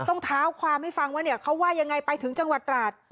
ต้องเท้าความให้ฟังว่าเนี่ยเขาว่ายังไงไปถึงจังหวัดตราด